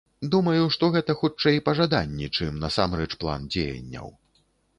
Думаю, што гэта хутчэй пажаданні, чым насамрэч план дзеянняў.